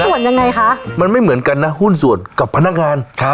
ส่วนยังไงคะมันไม่เหมือนกันนะหุ้นส่วนกับพนักงาน